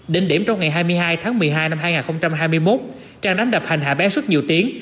đỉnh điểm trong ngày hai mươi hai tháng một mươi hai năm hai nghìn hai mươi một trang đánh đập hành hạ bé suốt nhiều tiếng